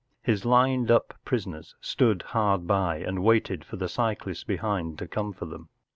His lined up prisoners stood hard by and waited for the cyclists behind to come for them.